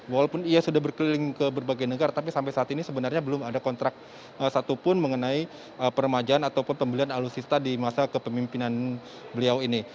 walaupun ia sudah berkeliling ke berbagai negara tapi sampai saat ini sebenarnya belum ada kontrak satupun mengenai permajaan ataupun pembelian alutsista di masa kepemimpinan beliau ini